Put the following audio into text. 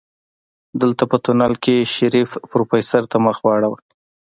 دلته په تونل کې شريف پروفيسر ته مخ واړوه.